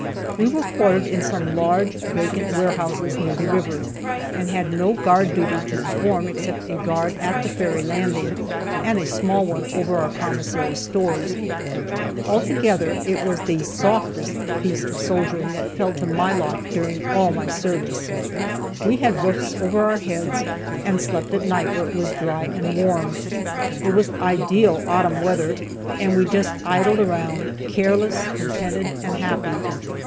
We were quartered in some large vacant warehouses near the river, and had no guard duty to perform except a guard at the ferry landing, and a small one over our commissary stores. Altogether, it was the "softest" piece of soldiering that fell to my lot during all my service. We had roofs over our heads and slept at night where it was dry and warm, it was ideal autumn weather, and we just idled around, careless, contented, and happy.